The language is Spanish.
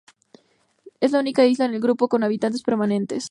Es la única isla en el grupo con habitantes permanentes.